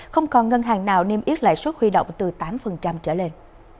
không còn ngân hàng nào niêm yết lại xuất huy động từ tám trở lên